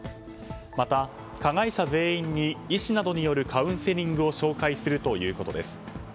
また、加害者全員に医師などによるカウンセリングを紹介するということです。